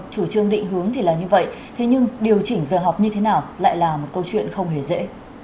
chủ trương định hướng thì là như vậy thế nhưng điều chỉnh giờ học như thế nào lại là một câu chuyện không hề dễ